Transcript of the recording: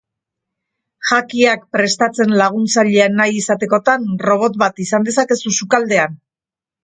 Jakiak prestatzen laguntzailea nahi izatekotan, robot bat izan dezakezu sukaldean.